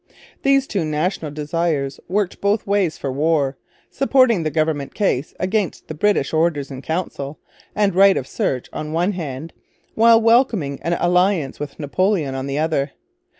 These two national desires worked both ways for war supporting the government case against the British Orders in Council and Right of Search on the one hand, while welcoming an alliance with Napoleon on the other.